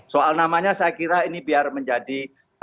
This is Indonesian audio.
soal namanya saya kira ini biar menjadi